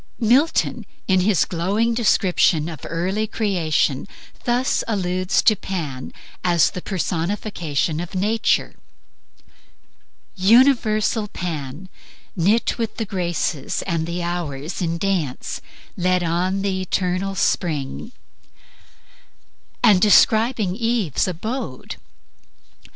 Milton in his glowing description of the early creation, thus alludes to Pan as the personification of Nature: "... Universal Pan, Knit with the Graces and the Hours in dance, Led on the eternal spring." And describing Eve's abode